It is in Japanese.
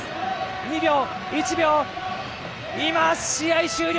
２秒、１秒、今試合終了。